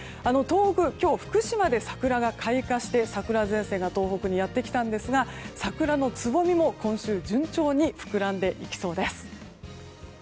東北、今日は福島で桜が開花して、桜前線が東北にやってきたんですが桜のつぼみも今週、順調に膨らんでいきそうです。